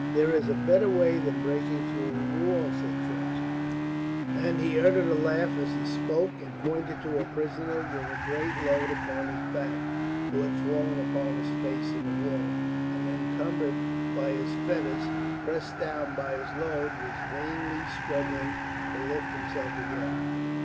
"There is a better way than breaking through the wall," said Trench, and he uttered a laugh as he spoke and pointed to a prisoner with a great load upon his back who had fallen upon his face in the water, and encumbered by his fetters, pressed down by his load, was vainly struggling to lift himself again.